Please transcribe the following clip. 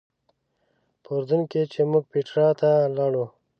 په اردن کې چې موږ پیټرا ته لاړو.